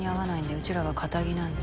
うちらはカタギなんで。